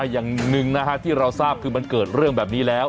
อย่างหนึ่งนะฮะที่เราทราบคือมันเกิดเรื่องแบบนี้แล้ว